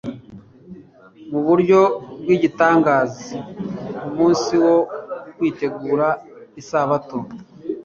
mu buryo bwigitangaza ku munsi wo kwitegura Isabato